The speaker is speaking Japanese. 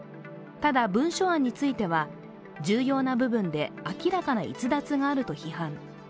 ただ文書案については、重要な部分で明らかな逸脱があると批判。